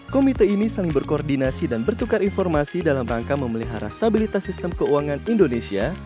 komite ini saling berkoordinasi dan bertukar informasi dalam rangka memelihara stabilitas sistem keuangan indonesia